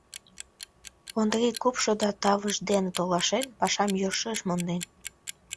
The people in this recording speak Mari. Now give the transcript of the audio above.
Ондрий, купшо да тавыж дене толашен, пашам йӧршеш монден.